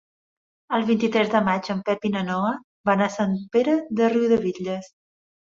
El vint-i-tres de maig en Pep i na Noa van a Sant Pere de Riudebitlles.